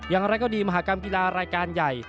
อย่างไรก็ดีมหากรรมกีฬารายการใหญ่